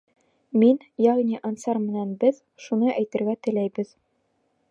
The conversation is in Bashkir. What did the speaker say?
Мин, йәғни Ансар менән беҙ, шуны әйтергә теләйбеҙ.